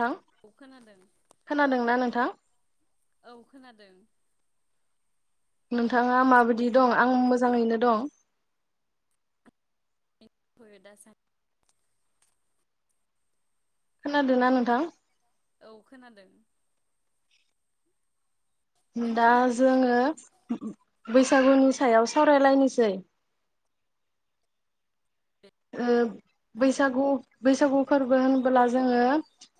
नोंथां खोनादोंना नोंथां? औ खोनादों नोंथांङा माबायदि दं? आं मोजांङैनो दं। फोर दासान खोनादों ना नोंथां? औ खोनादों दा जोंङो बैस बैसागुनि सायाव सावरायलायनोसै ओ बैसागु बैसागु फोरबो होनबोला जोंङो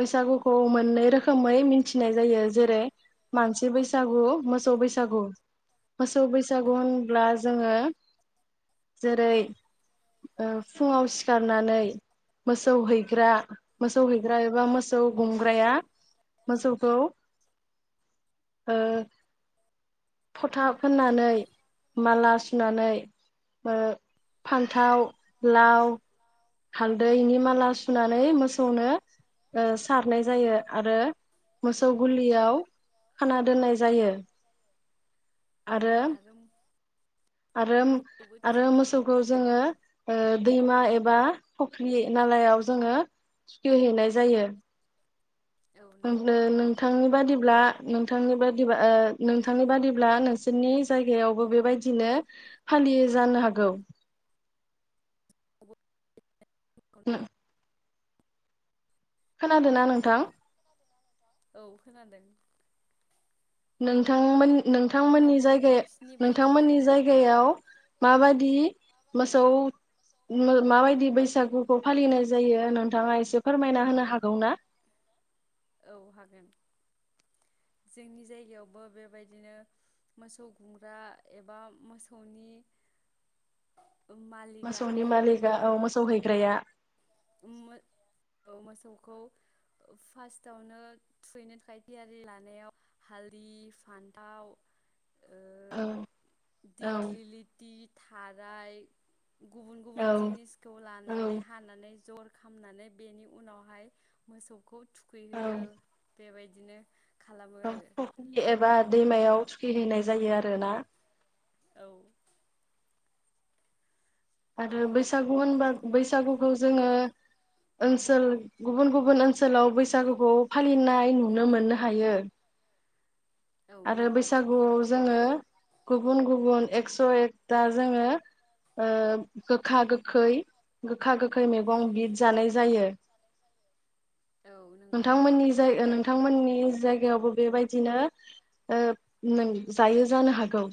बैसागुखौ मोननै रोखोमै मिथिनाय जायो जेरै मानसि बैसागु, मोसौ बैसागु। मोसौ बैसागु होनब्ला जोङो जेरै ओ फुङाव सिखारनानै मोसौ हैग्रा मोसौ हैग्रा एबा मोसौ गुमग्राया मोसौखौ ओ फथाब फनानै माला सुनानै ओ फान्थाव लाव हालदैनि माला सुनानै मोसौनो ओ सारनाय जायो आरो मोसौ गुलियाव खाना दोननाय जायो। आरो आरो आरो मोसौखौ जोंङो ओ दैमा एबा फुख्रि नालायाव जोंङो थुखि हैैनाय जायो। [unintelligible] नोंथां बादिब्ला नोंथांनि बादिबा ओ नोंथांनि बादिब्ला नोंसोरनि जायगायावबो बेबायदिनो फालियो जानो हागौ। [inaudible] खोनादो ना नोंथां? औ खोनादो। नोंथांमोन नोंथांमोननि जायगाया नोंथांमोननि जायगायाव माबादि मोसौ मो माबायदि बैसागुखौ फालिनाय जायो नोंथाङा एसे फोरमायना होनो हागौ ना? औ हागोन जोंनि जायगायावबो बेबायदिनो मोसौ गुमग्रा एबा मोसौनि मोसौनि मालिकआ औ मोसौ हैग्राया मो-मोसौखौ फार्स्टावनो थुहैनो थाखाय थियारि लानायाव हालदि फान्थाव ओ दिग्लिलिथि थाराय गुबुन गुबुन जिनिसखौ लानानै हानानै जगार खामनानै बेनि उनावहाय मोसौ खौ थुखैहोयो बेबाय बिदिनो औ [unintelligible] दैमायाव थुखिहैनाय जायो आरोना। औ आरो बैसागु होनबा बैसागुखौ जोंङो ओनसोल गुबुन गुबुन ओनसोलाव बैसागुखौ फालिनाय नुनो मोननो हायो। आरो बैसागुआव जोंङो गुबुन गुबुन एकस' एकथा जोंङो ओ गोखा गोखै गोखा गोखै मैगं बिद जानाय जायो। [inaudible] नोंथांमोननि जाय ओ नों नोंथांमोननि जायगायावबो बेबायदिनो ओ नों जायो जानो हागौ।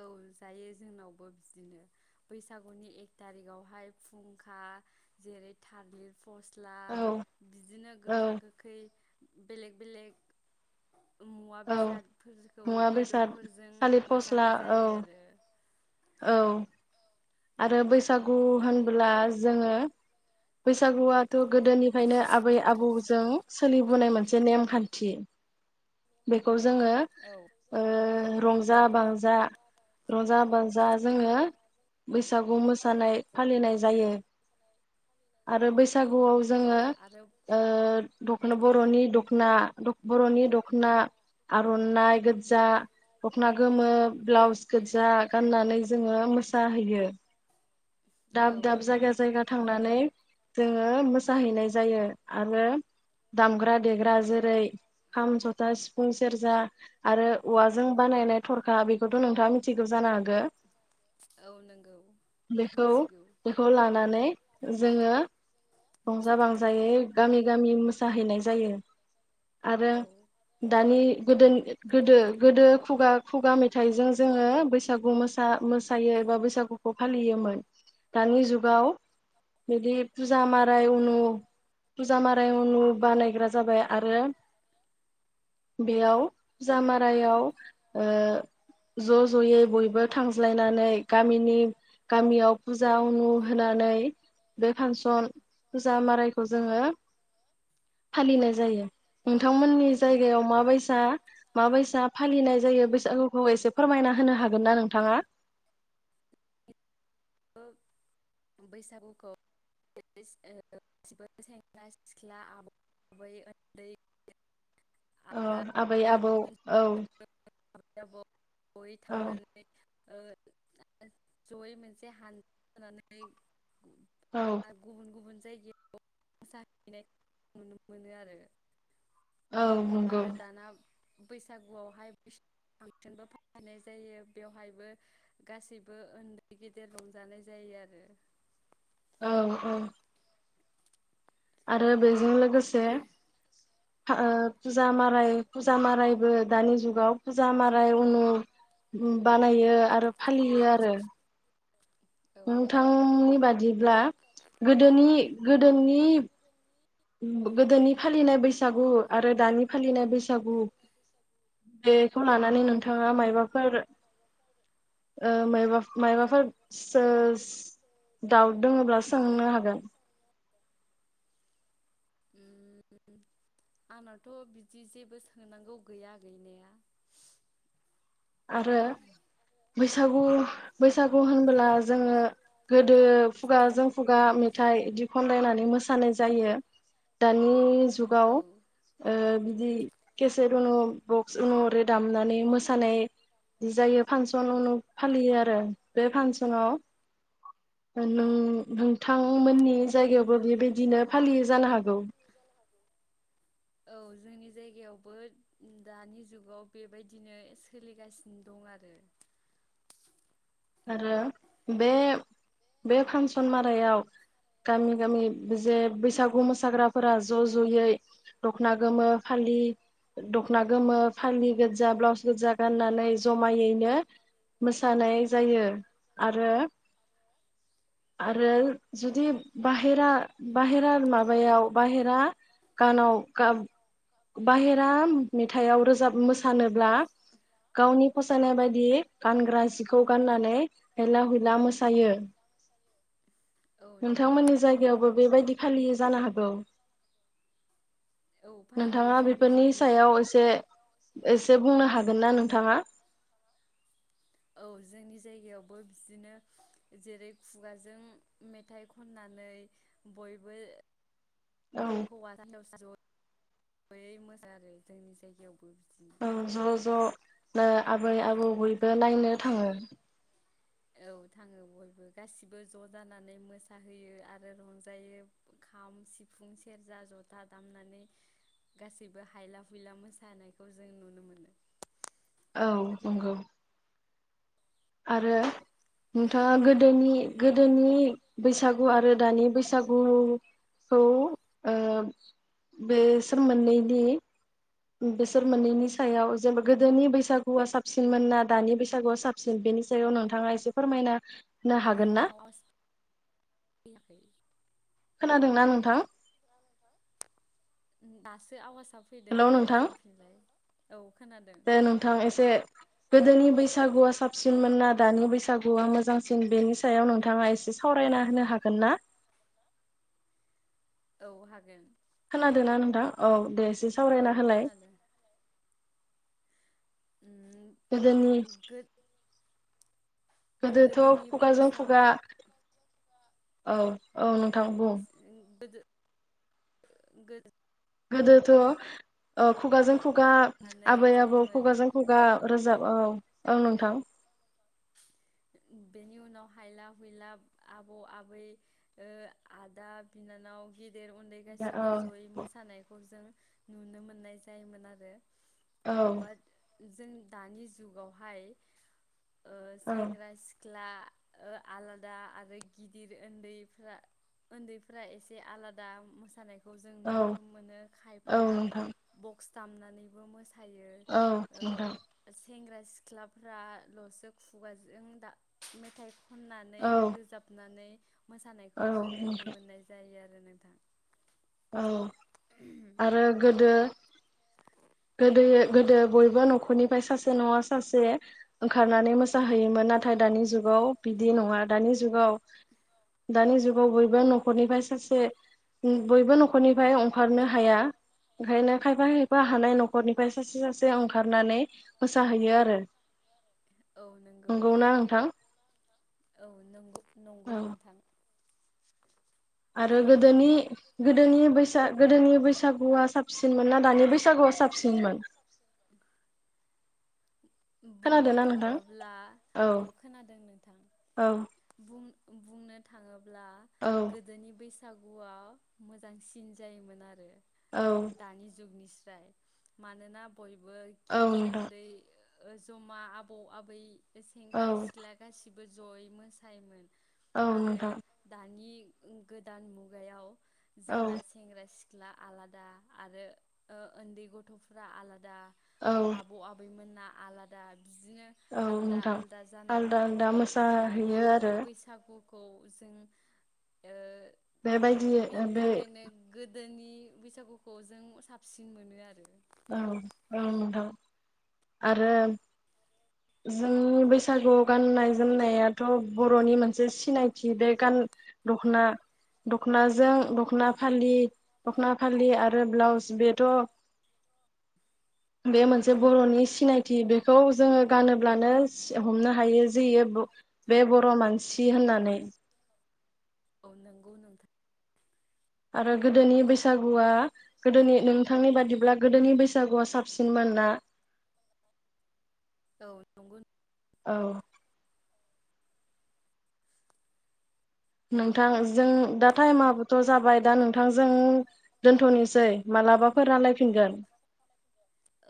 औ जायो जोंनावबो बिदिनो बैसागुनि एक थारिकआवहाय फुंखा जेरै थालिर फस्ला बिदिनो गोखा गोखै बेलेग बेलेग मुवा बेसादफोरखौ बेदरफोरजों स्ला औ औ। आरो बैसागु होनबोला जोङो बैसागुआथ' गोदोनिफायनो आबै आबौजों सोलिबोनाय मोनसे नेमखान्थि बेखौ जोङो ओ रंज जा बाजा रंजा बाजा जोङो सागु मोसानाय फालिनाय जायो आरो बैसागुआव जोङो ओ दखोन बर'नि दख दख'ना बर'नि दख'ना आर'नाइ गोजा दखना गोमो ब्लाउस गोजा गाननानै जोङो मोसाहैयो दाब दाब जायगा जायगा थांनानै जोङो मोसाहैनाय जायो आरो दामग्रा देग्रा जेरै खाम जथा सिफ सिफुं सेरजा आरो औवाजों बानायनाय थरखा बेखौथ' नोंथाङा मिथिगौ जानो हागौ बेखौ लानानै जोङो रंजा बजायै गामि गामि जाहैनाय जायो आरो दानि गोदो गोदो गोदो खुगा खुगा मेथाइजों जोङो बैसागु मोसा मोसायो एबा बैसागुखौ फालियोमोन दानि जुगाव बिदि फुजा माराय उनु फुजा माराय उनु बानायग्रा जाबाय आरो बेयाव फुजा मारायाव ज' ज'यै बयबो थांज्लायनानै गामिनि गामियाव फुजा नु होनानै बे फांसन फुजा मारायखौ जोङो फालिनाय जायो नोंथांमोननि जायगायाव माबायसा माबायसा फालिनाय जायो बैसागुखौ एसे फोरमायना होनो हागोन ना नोंथां थाङा बैसागुखौ गासिबो सेंग्रा सिख्ला आबै आबै उन्दै औ आबै आबौ औ औ ओ जयै मोनसे हानजा होनानै गुबुन गुबुन जाय जेखौ मोसाहैनाय नुनो मोनो आरो आरो दाना बैसागुआवहाय बैसागु फांसनबो फालिनाय जायो बेवहायबो गासैबो उन्दै गेदेर रंजानाय जायो आरो औ औ आरो बेजों लो लोगोसे फुजा माराय फुजा मारायबो दानि जुगाव फुजा माराय उनु उम बानायो आरो फालियो आरो। नोंथांनि बाद बदिब्ला गोनि गोदोनि। गोदोनि फालिनाय बैसागु आरो दानि फालिनाय बैसागु बेखौ लानानै नोंथाङा माइबाफोर ओ माइबा माइबाफोर सो दाउट थाङोब्ला सोंनो हागोन। आंनावथ' बिदि जेबो सोंनांगौ गैया गैनाया। आरो बैसागु। बैसागु होनबोला जोङो गोदो खुगाजों खुगा मेथाइ बिदि खनलायनानै मोसानाय जायो। बियो। दानि जुगाव ओ बिदि। केसेट उनु बक्स उनुरै दामनानै मोसानाय। बि जायो फांसन उनु फालियो आरो बे फांसनाव ओ नों नोंथांमोननि जायगायावबो बेबायदिनो फालियो जानो हागौ। औ जोंनि जायगायावबो दानि जुगाव बेबायदिनो ऐस सोलिगासिनो दं आरो। आरो बे बे फांसन मारायाव गामि-गामि जे बैसागु मोसाग्राफोरा ज' ज'यै दख'ना गोमो फालि दख'ना गोमो फालि गोजा ब्लाउस। गोजा गाननानै जमायैनो मोसानाय जायो आरो आरो जुदि बाहेरा बाहेरा माबायाव बाहेरा गानाव बाहेरा मेथाइआव रोजाब मोसानोब्ला आ गावनि फसायनाय बायदि गानग्रा खौ गाननानै हाला-हुला मोसायो नोंथांमोननि जायगायावबो बेबायदि फालियोै जानो हागौ। नोंथाङा बेफोरनि सायाव एसे-एसे बुंनो हागोन हागोन ना नोंथाङा? औ जोंनि जायगायावबो बिदिनो जेरै खुगाजों मेथाइ खननानै बयबो। [unintelligible] बै मोजां आरो जोंनि जायगायावबो। ओ ज' ज' नोआबै आबौ बयबो नायनो थांङो। औ थाङो बयबो गासैबो ज' जानानै मोसाहोयो आरो रंजायो खाम सिफुं सेरजा जथा दामनानै गासैबो हायला हुइला मोसाहायखौ जों नुनो मोनो। औ नंगौ। आरो नोंथाङा गोदोनि गोदोनि बैसागु आरो दानि बैसागुखौ ओ बेसोर मोननैनि बेसोर मोननैनि सायाव जेनेबा गोदोनि बैसागुआ साबसिनमोन ना दानि बैसागुआ साबसिन बेनि सायाव नोंथाङा एसे फोरमायना नोंथां आवास फैयाखै। खोनादोंना नोंथां? दासो आवास फैदों दे बुंफिनलाय। औ। दे नोंथां एसे गोदोनि बैसो बैसागुआ साबसिनमोन ना दानि बैसागुआ मोजांसिन बेनि सायाव नोंथाङा एसे सावरायना होनो हागोन ना? औ हागोन। खोनादों नोंथा औ देस दे सावरायना होलाय गोदोनि गोदोथ' खुगाजों खुगा औ औ न [unintelligible] गोदो गोदोथ' ओ खुगाजों खुगा आबै आबौ खुगाजों खुगा रोजाब औ औ नोंथां बेनि उनाव हायला हुइला आब' आबै ओ आदा बिनानाव गि गेदेर उन्दै गासिबो जयै मोसानायखौ जों नुनो मोननाय जायोमोन आरो। औ जों दानि जुगावहाय ओ सेंग्रा सिख सिख्ला ओ आलादा आरो गिदिर ओन्दैफ्रा ओन्दैफ्रा एसे आलादा मोसानाय खौ जों नुनो मोनो। खायफाया बक्स दामनानैबो मोस थायो ओ ओस सेंग्रा सिख्लाफ्राल'सो खुगाजों दा मेथाइ खननानै रोजाबनानै मोसानायखौ जों नुनो मोननाय जायो आरो। ओ नोंथां औ आरो गोदो गोदो गोदो बयबो न'खरनिफ्राय सासे नङा सासे ओंखारनानै मोसाहैयोमोन नाथाय दानि जुगाव बिदि नङा दानि जुगाव दानि जुग बयबो न'खरनिफ्राय सासे बयबो न'खरनिफ्राय अंखारनो हाया ओंखायनो खायफा खायफा हानाय न' निफ्राय सासे सासे ओंखारनानै मोसाहैयो आरो। नंगौना नोंथां? औ नोंग नंगौ नोंथां आरो गोदोनि गोदोनि बैसाग गोदोनि बैसागुआ साबसिनमोन ना दानि बैसागुआ साबसिनमोन? बुंनो थाङोब्ला औ खोनादों नोंथां औ बुंनो थाङो ब्ला गोदोनि बैस बैसागुआ मोजांसिन जायोमोन आरो। दानि जुगनिस बाय मानोना बयबो गिदिर उन्दै ओ जमा आबौ आबै बे सेंग्रा सिख्ला गासिब बयबो जयै मोसायोमोन आरो दानि गोदान मुगायाव जोंना सेंग्रा सिख्ला सिख्ला आलादा आरो उन्दै गथ'फोरा आलादा औ बैमोना आलादा बिदिनो आलदा आलदा जानायनि थाखाय मोसाहैयो आरो खौ जों बेनि थाखायनो गो गोदोनि बैसागुखौ जों साबसिन मोनो आरो औ औ नोंथां आरो जोंनि बैसागु गाननाय जोमनायाथ' बर'नि मोनसे सिनायथि बे गान दखना दख'नाजों दखना फालि दख'ना फालि आरो ब्लाउस बेथ' बे मोनसे बर'नि सिनायथि बेखौ जोङो गानोब्लानो हमनो हायो जे बेयो बे बर' मानसि होननानै औ नांगौ नोंथां आरो गोदोनि बैसागुआ गोदोनि नोंथांनि बादिब्ला गोदोनि बैसागुआ साबसिनमोन ना औ औ नोंथां जों दा टाइमाबोथ' जाबाय दा नोंथांजों दोनथ'नोसै मालाबाफोर राइलायफिनगोन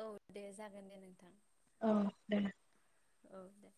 औ दे जागोन दे नोंथां औ दे